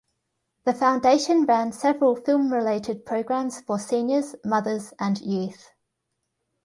The foundation ran several film-related programs for seniors, mothers and youth.